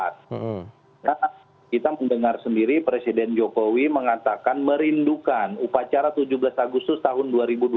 kita mendengar sendiri presiden jokowi mengatakan merindukan upacara tujuh belas agustus tahun dua ribu dua puluh